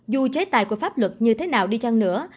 dù chế tài của pháp luật như thế nào đi chăng nữa